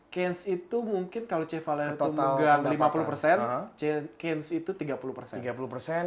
keyence itu mungkin kalau kevaliar itu menggang lima puluh persen keyence itu tiga puluh persen